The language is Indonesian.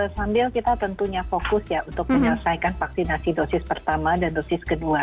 sambil kita tentunya fokus ya untuk menyelesaikan vaksinasi dosis pertama dan dosis kedua